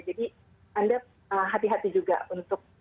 jadi anda hati hati juga untuk